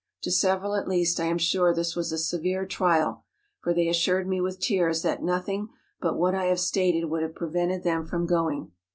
To several, at least, I am sure this was a severe trial; for they assured me with tears that nothing but what I have stated would have prevented them from going.